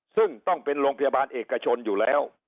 ซึ่งต้องเป็นโรงพยาบาลเอกชนอยู่แล้ว